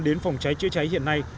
đến phòng cháy chữa cháy hiện nay